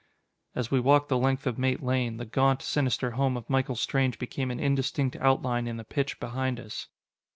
As we walked the length of Mate Lane, the gaunt, sinister home of Michael Strange became an indistinct outline in the pitch behind us.